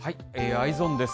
Ｅｙｅｓｏｎです。